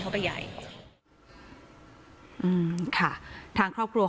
โปรดติดตามตอนต่อไป